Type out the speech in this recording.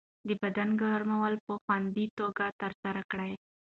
د بدن ګرمول په خوندي توګه ترسره کړئ.